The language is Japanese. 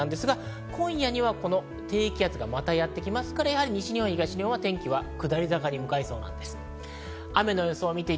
今夜にはこの低気圧がやってきますから、西日本、東日本は天気は下り坂に向かいます。